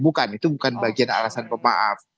bukan itu bukan bagian alasan pemaaf